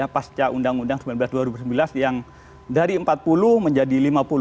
pasca undang undang sembilan belas dua ribu sembilan belas yang dari empat puluh menjadi lima puluh